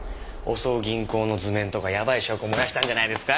襲う銀行の図面とかやばい証拠を燃やしたんじゃないですか？